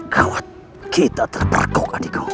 kau kita terperkok adikku